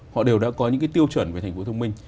họ đều đã có những cái tiêu chuẩn về thành phố thông minh